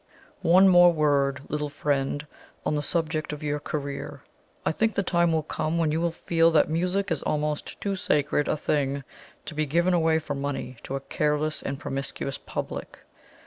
"One word more, little friend, on the subject of your career. I think the time will come when you will feel that music is almost too sacred a thing to be given away for money to a careless and promiscuous public.